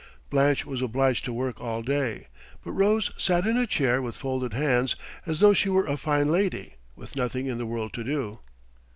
Blanche was obliged to work all day, but Rose sat in a chair with folded hands as though she were a fine lady, with nothing in the world to do.